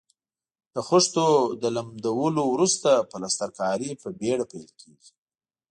د خښتو له لمدولو وروسته پلسترکاري په بېړه پیل کیږي.